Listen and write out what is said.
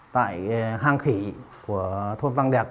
tại hang khỉ của thôn văn đẹp